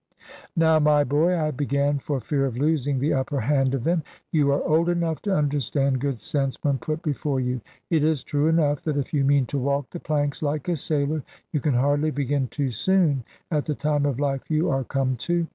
"Now, my boy," I began for fear of losing the upper hand of them; "you are old enough to understand good sense when put before you. It is true enough that if you mean to walk the planks like a sailor, you can hardly begin too soon at the time of life you are come to.